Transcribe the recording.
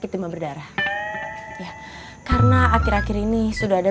ini pilihan yang bagus ya